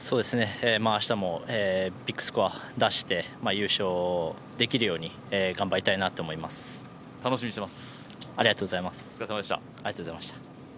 明日もビッグスコア出して優勝できるように頑張りたいなと思います。